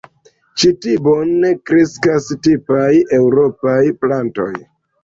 Ĉi ti bone kreskas tipaj eŭropaj plantoj.